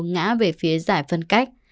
ngã về phía giải phân cách